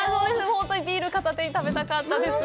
本当にビール片手に食べたかったです。